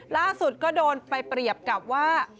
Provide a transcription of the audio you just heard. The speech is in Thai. ล่าสุดก็โดนไปเปรียบกับว่า